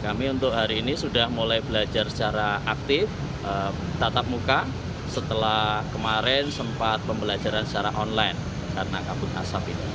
kami untuk hari ini sudah mulai belajar secara aktif tatap muka setelah kemarin sempat pembelajaran secara online karena kabut asap itu